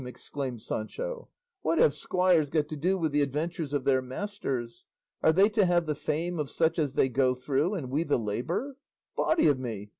exclaimed Sancho, "what have squires got to do with the adventures of their masters? Are they to have the fame of such as they go through, and we the labour? Body o' me!